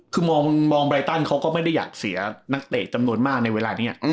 คือมองไรตันเขาก็ไม่ได้อยากเสียนักเตะจำนวนมากในเวลานี้